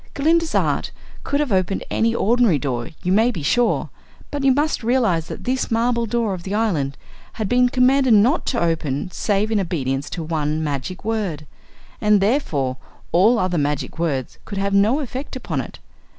Glinda's art could have opened any ordinary door, you may be sure, but you must realize that this marble door of the island had been commanded not to open save in obedience to one magic word, and therefore all other magic words could have no effect upon it.